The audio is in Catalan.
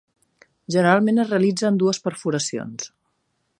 Generalment es realitzen dues perforacions.